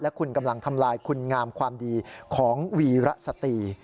คุณกำลังทำลายคุณงามความดีของวีระสตรี